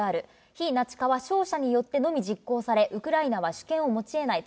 非ナチ化は勝者によってのみ実行され、ウクライナは主権を持ちえない。